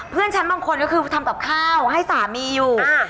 เพื่อนฉันบางคนก็คือทำกับข้าวให้สามีอยู่